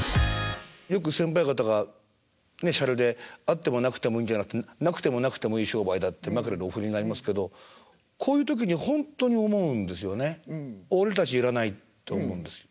よく先輩方がねしゃれであってもなくてもいいんじゃなくてなくてもなくてもいい商売だって枕でお振りになりますけどこういう時に本当に思うんですよね。